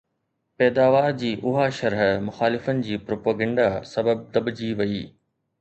پيداوار جي اها شرح مخالفن جي پروپيگنڊا سبب دٻجي وئي